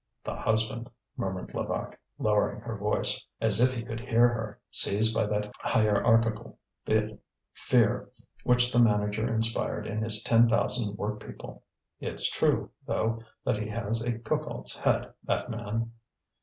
"The husband," murmured Levaque, lowering her voice, as if he could hear her, seized by that hierarchical fear which the manager inspired in his ten thousand workpeople. "It's true, though, that he has a cuckold's head, that man."